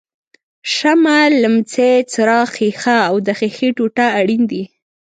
شمع، لمپې څراغ ښيښه او د ښیښې ټوټه اړین دي.